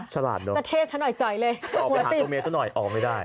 จะเทสะหน่อยจะเทสะหน่อยจ่อยเลยออกไปหาตัวเมียสักหน่อยออกไม่ได้